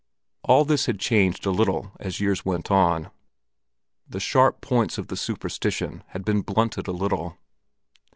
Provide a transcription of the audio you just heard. All this had changed a little as years went on; the sharp points of the superstition had been blunted a little.